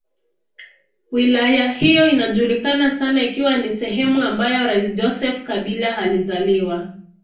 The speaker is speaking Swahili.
Wilaya hiyo inajulikana sana ikiwa ni sehemu ambayo rais Joseph Kabila alizaliwa.